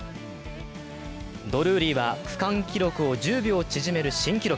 ドルーリーは区間記録を１０秒縮める新記録。